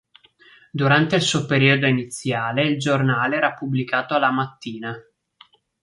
Durante il suo periodo iniziale il giornale era pubblicato alla mattina.